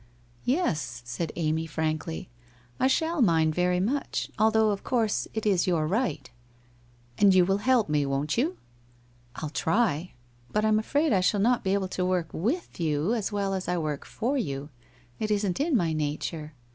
' Yes/ said Amy, frankly, ' I shall mind very much, al though of course it is your right.' 'And you will help me, won't you?' ' I'll try. But I am afraid I shall not be able to work with you as well as I work for you. It isn't in my nature.